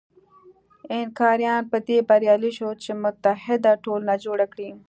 اینکاریان په دې بریالي شول چې متحد ټولنه جوړه کړي.